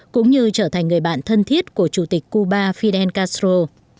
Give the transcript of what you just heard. cũng như trở thành người bạn thân thiết của chủ tịch cuba fidel castro